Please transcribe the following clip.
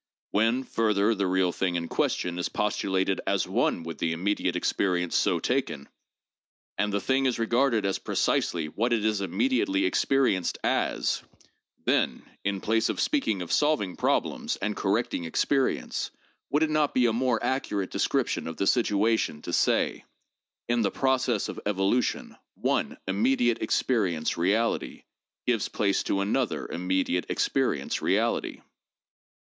"When, further, the real thing in question is postulated as one with the imme diate experience so taken, and the thing is regarded as precisely what it is immediately experienced as, then in place of speaking of solving problems and correcting experience would it not be a more accurate description of the situation to say: In the process of evolution one immediate experience (reality) gives place to another immediate experience (reality)